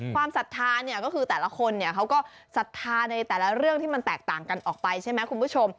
ศรัทธาเนี่ยก็คือแต่ละคนเนี่ยเขาก็ศรัทธาในแต่ละเรื่องที่มันแตกต่างกันออกไปใช่ไหมคุณผู้ชม